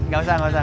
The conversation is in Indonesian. gak usah gak usah